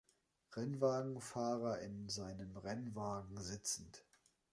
Rennwagenfahrer in seinem Rennwagen sitzend